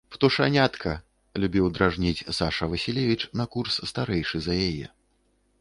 «Птушанятка! »- любіў дражніць Саша Васілевіч, на курс старэйшы за яе.